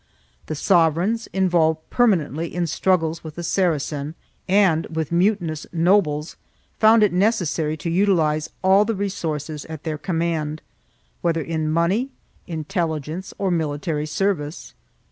The sovereigns, involved permanently in struggles with the Saracen and with mutinous nobles, found it necessary to utilize all the resources at their command, whether in money, intelligence, or military service.